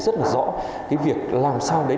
rất là rõ cái việc làm sao đấy